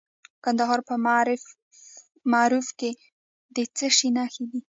د کندهار په معروف کې د څه شي نښې دي؟